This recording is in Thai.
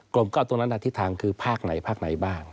ลมเก้าตรงนั้นทิศทางคือภาคไหนภาคไหนบ้าง